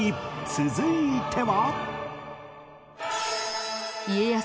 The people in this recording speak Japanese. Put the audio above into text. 続いては